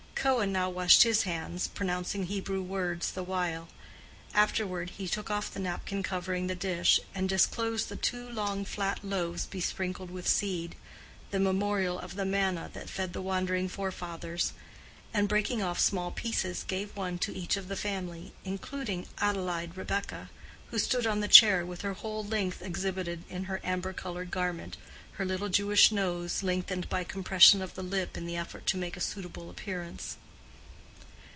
Cohen now washed his hands, pronouncing Hebrew words the while: afterward, he took off the napkin covering the dish and disclosed the two long flat loaves besprinkled with seed—the memorial of the manna that fed the wandering forefathers—and breaking off small pieces gave one to each of the family, including Adelaide Rebekah, who stood on the chair with her whole length exhibited in her amber colored garment, her little Jewish nose lengthened by compression of the lip in the effort to make a suitable appearance.